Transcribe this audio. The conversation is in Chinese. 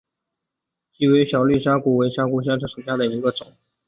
疣尾小绿虾蛄为虾蛄科小绿虾蛄属下的一个种。